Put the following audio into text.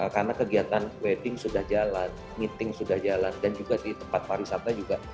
karena kegiatan wedding sudah jalan meeting sudah jalan dan juga di tempat pariwisata juga